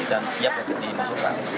dan siap siap dimasukkan